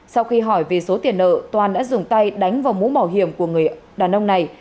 sau khi hỏi về số tiền nợ toàn đã dùng tay đánh vào mũ bảo hiểm của người đàn ông này